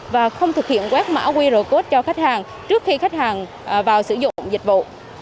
và không thực hiện quét mã qr code cho khách hàng trước khi khách hàng vào sử dụng dịch vụ